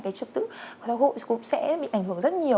cái trực tự của giáo hội cũng sẽ bị ảnh hưởng rất nhiều